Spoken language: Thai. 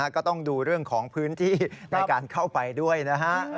ก็ต้องดูเรื่องของพื้นที่ในการเข้าไปด้วยนะฮะ